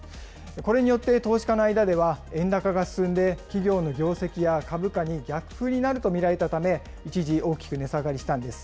これによって投資家の間では、円高が進んで、企業の業績や株価に逆風になると見られたため、一時、大きく値下がりしたんです。